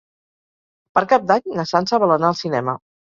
Per Cap d'Any na Sança vol anar al cinema.